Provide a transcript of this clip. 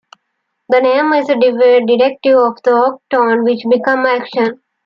The name is a derivative of Oak town, which became Acton.